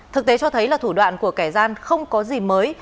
thực tế cho thấy là thủ đoạn của kẻ gian không có gì mới